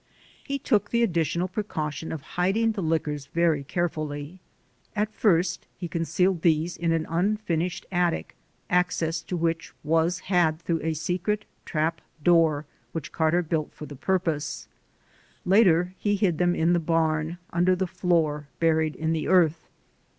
He took the additional precaution of hiding the liquors very carefully. At first he concealed them in an unfurnished attic, access to which was had through a secret trap door which Carter built for the purpose. Later he hid them in the barn, under the floor, buried in the earth.